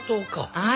はい。